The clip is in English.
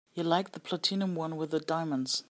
You liked the platinum one with the diamonds.